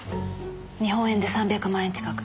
日本円で３００万円近く。